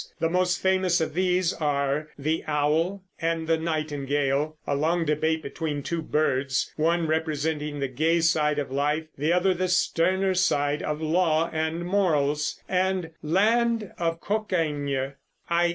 The most famous of these are "The Owl and the Nightingale," a long debate between the two birds, one representing the gay side of life, the other the sterner side of law and morals, and "Land of Cockaygne," i.